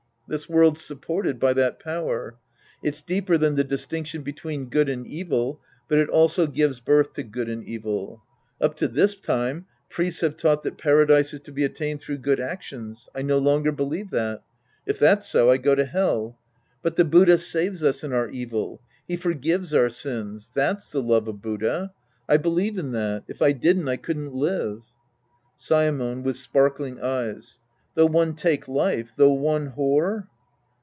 This world's supported by that power. It's deeper than the dis tinction between good and evil, but it also gives birth to good and evil. Up to this time, priests have taught that Paradise is to be attained through good actions. I no longer believe that. If that's so; I go to Hell. .But the Buddha saves us in our evil. He forgives our sins. That's the love of Buddha. I beh'eve in that. If I didn't, I couldn't live. Saemon {with sparkling eyes). Though one take life, though one whore